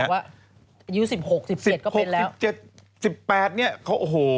อายุ๑๖๑๗ก็เป็นแล้วประตูนี้โอ้โห